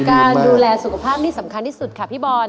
การดูแลสุขภาพนี่สำคัญที่สุดค่ะพี่บอย